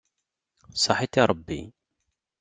Ṣaḥit i Ṛebbi.